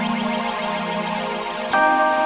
jangan lupa like subscribe dan share